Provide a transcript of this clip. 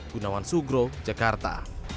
gunawan sugro jakarta